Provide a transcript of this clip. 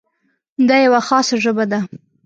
دا یوه خاصه ژبه ده.